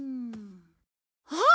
あっ！